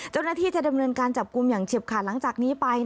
เจ้าหน้าที่จะดำเนินการจับกลุ่มอย่างเฉียบขาดหลังจากนี้ไป